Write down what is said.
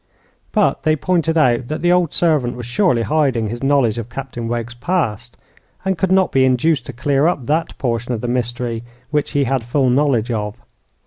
But they pointed out that the old servant was surely hiding his knowledge of Captain Wegg's past, and could not be induced to clear up that portion of the mystery which he had full knowledge of.